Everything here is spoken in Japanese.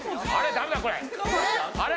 ダメだこれあれ？